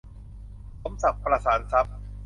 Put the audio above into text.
สมศักดิ์ ประสานทรัพย์